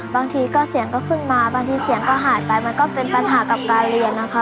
บางทีก็เสียงก็ขึ้นมาบางทีเสียงก็หายไปมันก็เป็นปัญหากับการเรียนนะคะ